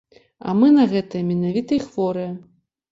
А мы на гэтае менавіта і хворыя.